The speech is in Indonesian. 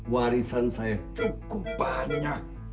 warisan saya cukup banyak